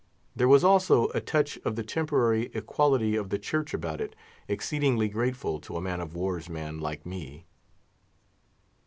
There was also a touch of the temporary equality of the Church about it, exceedingly grateful to a man of war's man like me.